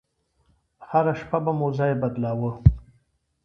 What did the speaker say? هره شپه به مو ځاى بدلاوه.